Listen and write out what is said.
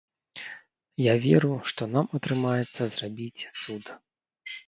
Я веру, што нам атрымаецца зрабіць цуд.